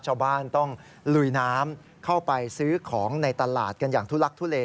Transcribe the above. ชาวบ้านต้องลุยน้ำเข้าไปซื้อของในตลาดกันอย่างทุลักทุเล